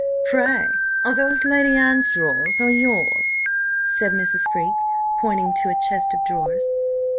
Pray, are those Lady Anne's drawers or yours?" said Mrs. Freke, pointing to a chest of drawers.